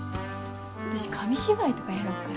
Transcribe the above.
私紙芝居とかやろうかな。